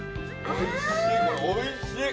おいしっ！